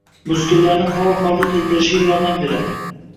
muskullarini faol holga keltirishiga yordam beradi.